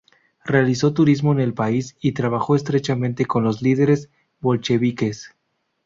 Realizó turismo en el país y trabajó estrechamente con los líderes bolcheviques.